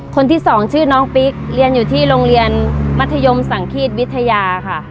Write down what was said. คนที่สองชื่อน้องปิ๊กเรียนอยู่ที่โรงเรียนมัธยมสังขีดวิทยาค่ะ